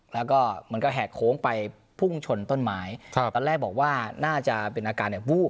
แล้วก็มันก็แหกโค้งไปพุ่งชนต้นไม้ครับตอนแรกบอกว่าน่าจะเป็นอาการเนี่ยวูบ